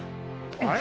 あれ？